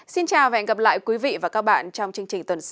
xin chào và hẹn gặp lại quý vị và các bạn trong chương trình tuần sau